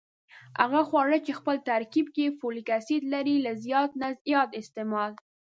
هغه خواړه چې خپل ترکیب کې فولک اسید لري له زیات نه زیات استعمال